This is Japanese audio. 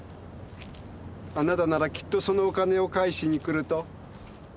あなたならきっとそのお金を返しに来ると。